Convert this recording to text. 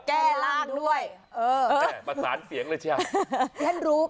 แก้ล้างด้วยเออแก้ประสานเสียงเลยใช่ไหมฮ่าฮ่าฮ่าฮ่า